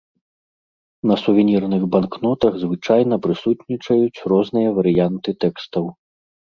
На сувенірных банкнотах звычайна прысутнічаюць розныя варыянты тэкстаў.